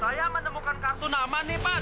saya menemukan kartu nama nih pak